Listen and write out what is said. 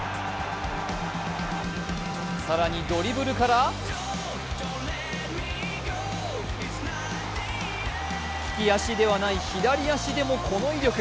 更にドリブルから、利き足ではない左足でもこの威力。